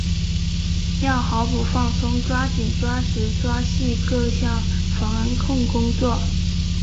要毫不放松抓紧抓实抓细各项防控工作